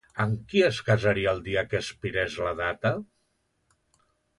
Amb qui es casaria el dia que expirés la data?